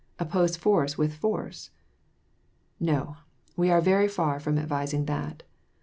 Oppose force with force ? No, we are very far from advising that.